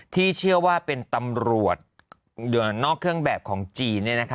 ที่เชื่อว่าเป็นตำรวจนอกเครื่องแบบของจีน